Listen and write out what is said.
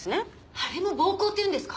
あれも暴行っていうんですか？